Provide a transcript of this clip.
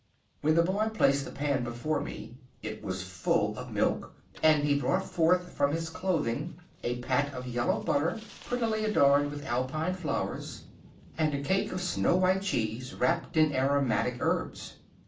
When the boy placed the pan before me it was full of milk, and he brought forth from his clothing a pat of yellow butter, prettily adorned with Alpine flowers, and a cake of snow white cheese wrapped in aromatic herbs.